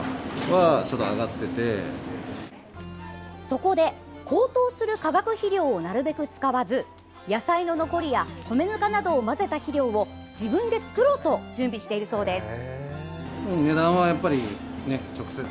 そこで、高騰する化学肥料をなるべく使わず野菜の残りや米ぬかなどを混ぜた肥料を自分で作ろうと準備しているそうです。